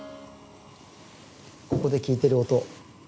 ここで聞いてる音。